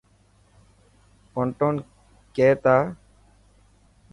پونٽون ڪي تا.